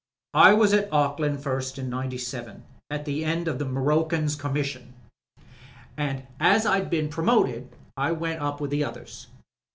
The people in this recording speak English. I was at Auckland first in '97, at the end o' the MarroquirCs commission, an' as I'd been promoted I went up with the others.